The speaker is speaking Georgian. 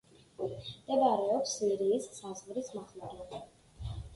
მდებარეობს სირიის საზღვრის მახლობლად.